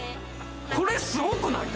これすごくない！？